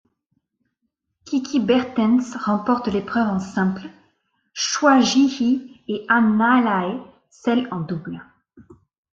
Kiki Bertens remporte l'épreuve en simple, Choi Ji-hee et Han Na-lae celle en double.